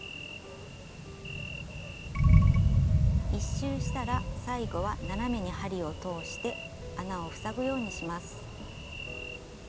１周したら最後は斜めに針を通して穴を塞ぐようにします。